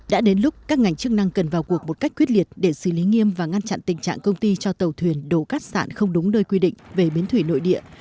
đã đến lúc các ngành chức năng cần vào cuộc một cách quyết liệt để xử lý nghiêm và ngăn chặn tình trạng công ty cho tàu thuyền đổ cắt sạn không đúng nơi quy định về biến thủy nội địa